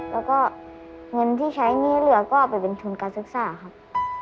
แล้วก็เงินที่ใช้หนี้เหลือก็ไปเป็นทุนการศึกษาครับ